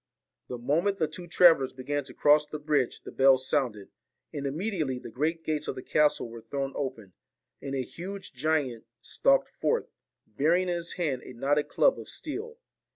The moment the two travellers began to cross the bridge the bells sounded, and immediately the great gates of the castle were thrown open, and a huge giant stalked forth, bearing in his hand a knotted club of steel.